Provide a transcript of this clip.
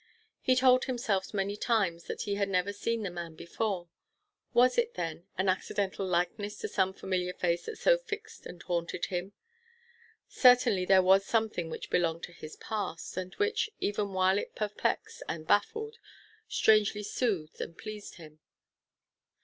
He told himself many times that he had never seen the man before. Was it, then, an accidental likeness to some familiar face that so fixed and haunted him? Certainly there was something which belonged to his past, and which, even while it perplexed and baffled, strangely soothed and pleased him.